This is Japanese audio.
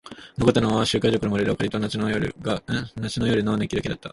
残ったのは集会所から漏れる明かりと夏の夜の熱気だけだった。